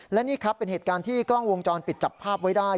และนี่ครับเป็นเหตุการณ์ที่กล้องวงจรปิดจับภาพไว้ได้